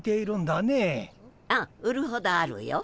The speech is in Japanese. ああ売るほどあるよ。